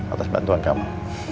atas bantuan kamu